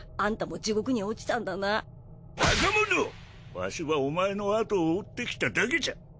わしはお前のあとを追ってきただけじゃ。